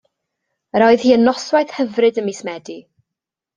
Yr oedd hi yn noswaith hyfryd ym mis Medi.